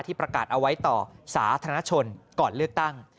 ประกาศเอาไว้ต่อสาธารณชนก่อนเลือกตั้ง